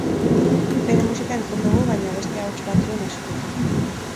Bere musika entzun dugu baina beste ahots batzuen eskutik.